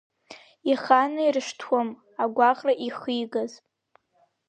Иханаршҭуам агәаҟра ихигаз.